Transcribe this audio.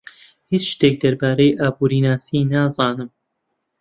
هیچ شتێک دەربارەی ئابوورناسی نازانم.